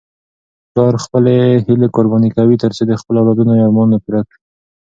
پلار خپلې هیلې قرباني کوي ترڅو د خپلو اولادونو ارمانونه پوره کړي.